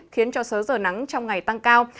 khiến cho sớm giờ nắng trong ngày tăng cao